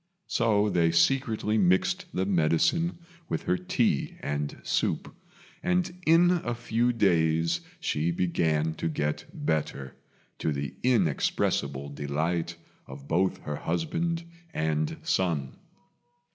So they secretly mixed the medicine with her tea and soup, and in a few days she began to get better, to the inexpressible delight of both her husband and son.